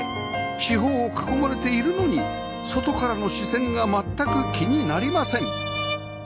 四方を囲まれているのに外からの視線が全く気になりません